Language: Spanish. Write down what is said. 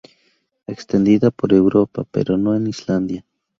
Extendida por Europa, pero no en Islandia.